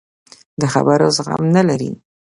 د خبرو زغم نه لري.